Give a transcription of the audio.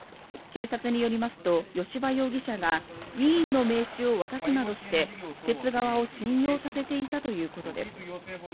警察によりますと、吉羽容疑者が議員の名刺を渡すなどして施設側を信用させていたということです。